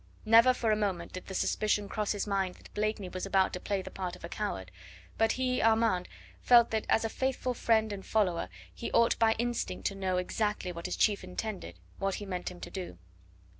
Never for a moment did the suspicion cross his mind that Blakeney was about to play the part of a coward, but he, Armand, felt that as a faithful friend and follower he ought by instinct to know exactly what his chief intended, what he meant him to do.